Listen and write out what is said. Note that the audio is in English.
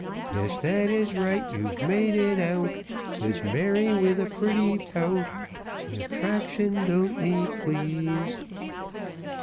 "Yes, that is right, you've made it out," Says Mary, with a pretty pout, "Subtraction don't me please."